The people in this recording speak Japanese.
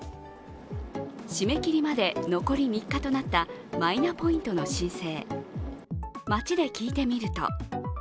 締め切りまで残り３日となったマイナポイントの申請。